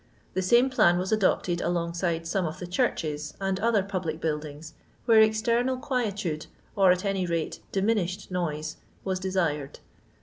The same plan was adopted alongside some of the churches, and other public buildings, where ex ternal quietude, or, at any rate, diminished noise, was derired.